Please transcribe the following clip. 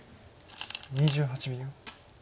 ２８秒。